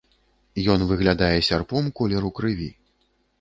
Ён выглядае сярпом колеру крыві.